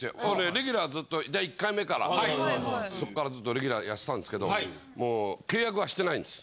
レギュラーずっと第１回目からそっからずっとレギュラーやってたんですけどもう契約はしてないんです。